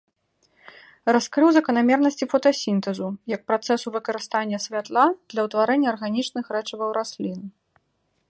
Раскрыў заканамернасці фотасінтэзу як працэсу выкарыстання святла для ўтварэння арганічных рэчываў раслін.